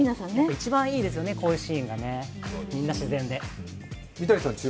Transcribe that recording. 一番いいですよね、こういうシーンが、みんな自然で。